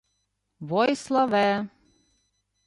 — Войславе!